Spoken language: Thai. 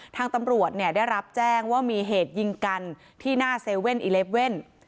ทางตำรวจเนี่ยได้รับแจ้งว่ามีเหตุยิงกันที่หน้า๗๑๑